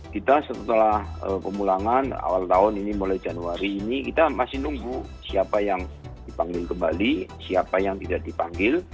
kita setelah pemulangan awal tahun ini mulai januari ini kita masih nunggu siapa yang dipanggil kembali siapa yang tidak dipanggil